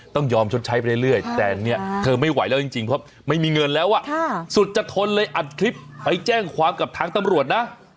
ต้องยอมชดใช้ไปเรื่อยแต่เนี่ยเธอไม่ไหวแล้วจริงเพราะไม่มีเงินแล้วสุดจะทนเลยอัดคลิปไปแจ้งความกับทางตำรวจนะ